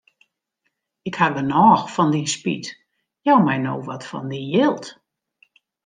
Ik haw genôch fan dyn spyt, jou my no wat fan dyn jild.